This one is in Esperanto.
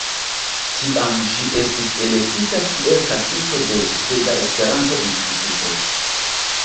Tiam ŝi estis elektita kiel kasisto de Sveda Esperanto-Instituto.